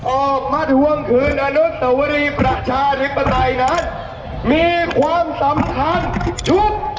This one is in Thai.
ออกมาทวงคืนอนุสวรีประชาธิปไตยนั้นมีความสำคัญชุด